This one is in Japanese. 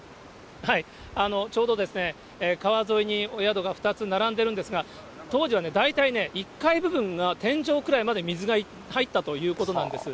ちょうど、川沿いにお宿が２つ並んでいるんですが、当時は大体ね、１階部分が天井くらいまで水が入ったということなんです。